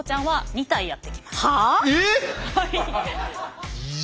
はい。